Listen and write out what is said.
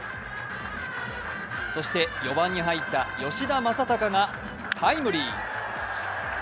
そして４番に入った吉田正尚がタイムリー。